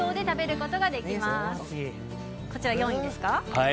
こちら、４位ですか。